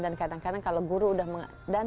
dan kadang kadang kalau guru udah mengatakan